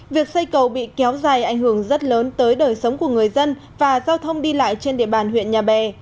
việc xây cầu bị kéo dài ảnh hưởng rất lớn tới đời sống của người dân và giao thông đi lại trên địa bàn huyện nhà bè